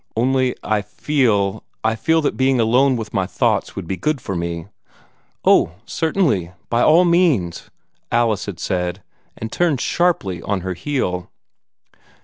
"Only I feel I feel that being alone with my thoughts would be good for me." "Oh, certainly by all means!" Alice had said, and turned sharply on her heel.